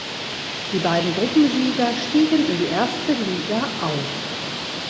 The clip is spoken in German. Die beiden Gruppensieger stiegen in die erste Liga auf.